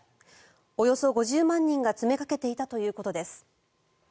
およそ５０万人が詰めかけていたということです。